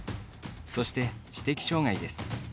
そして、知的障がいです。